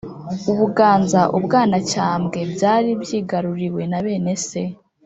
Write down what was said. ubuganza, ubwanacyambwe byari byigaruriwe na bene se